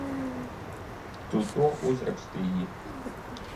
Tu to uzrakstīji?